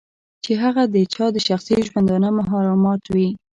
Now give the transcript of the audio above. چې هغه د چا د شخصي ژوندانه محرمات وي.